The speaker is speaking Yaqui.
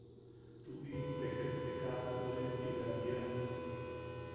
–Tuʼi, te ket kaa a tuʼure. Ti bea jiia.